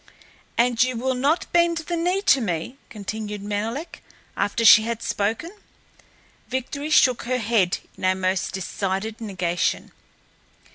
"And you will not bend the knee to me?" continued Menelek, after she had spoken. Victory shook her head in a most decided negation.